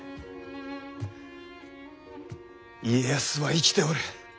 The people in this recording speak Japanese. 家康は生きておる。